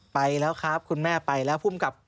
ไปแล้วครับคุณแม่ไปแล้วภูมิกับ